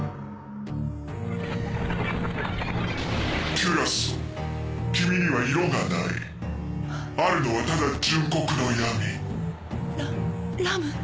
キュラソー君には色がない・・あるのはただ純黒の闇・ララム？